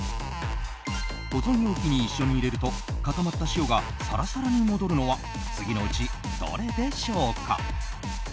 保存容器に一緒に入れると固まった塩がサラサラに戻るのは次のうちどれでしょうか？